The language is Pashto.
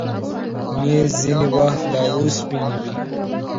مېز ځینې وخت له اوسپنې وي.